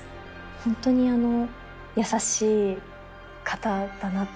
ホントに優しい方だなって。